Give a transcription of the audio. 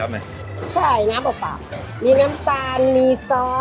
น้ำตาลปริบเพี้ยว